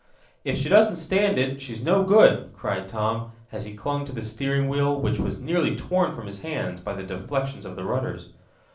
"If she doesn't stand it she's no good!" cried Tom, as he clung to the steering wheel, which was nearly torn from his hands by the deflections of the rudders.